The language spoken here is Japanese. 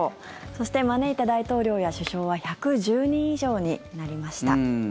そして、招いた大統領や首相は１１０人以上になりました。